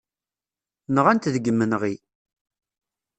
Nɣan-t deg yimenɣi.